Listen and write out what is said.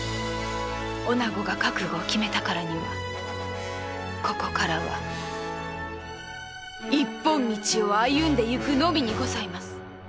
女子が覚悟を決めたからにはここからは一本道を歩んでいくのみにございます。